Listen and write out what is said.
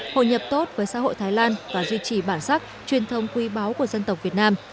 hội nhập tốt với xã hội thái lan và duy trì bản sắc truyền thông quý báo của dân tộc việt nam